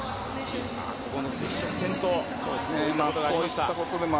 ここの接触、転倒。